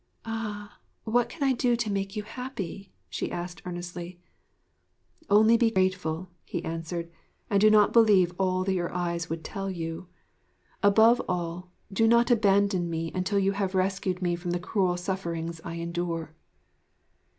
'Ah! What can I do to make you happy?' she asked earnestly. 'Only be grateful,' he answered, 'and do not believe all that your eyes would tell you. Above all, do not abandon me until you have rescued me from the cruel sufferings I endure.'